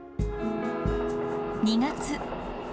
２月。